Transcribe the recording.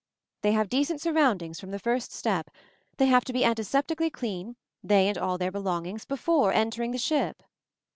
"They have decent surroundings from the first step. They have to be antiseptically clean, they and all their belongings, before entering the ship."